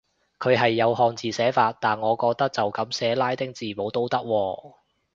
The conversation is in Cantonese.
佢係有漢字寫法，但我覺得就噉寫拉丁字母都得喎